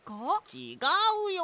ちがうよ！